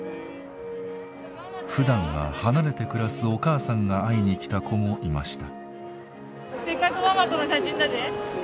ふだんは離れて暮らすお母さんが会いに来た子もいました。